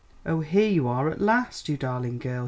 "Oh, here you are at last, you darling girl!"